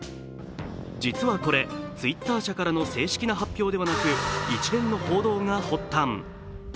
実はこれＴｗｉｔｔｅｒ社からの正式な発表ではなく一連の報道が発端。